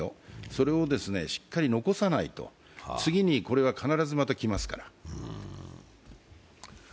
それをしっかり残さないと、次にこれは必ずまた来ますから。